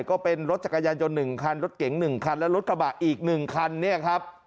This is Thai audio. ก็เป็นรถจักรยานยนต์๑คันรถเก๋ง๑คันและรถกระบะอีก๑คันเนี่ยครับ